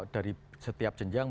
dari setiap jenjang